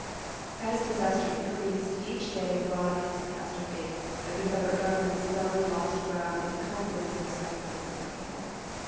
As disaster increased, as each day brought its catastrophe, the Confederate Government steadily lost ground in the confidence and respect of the Southern people.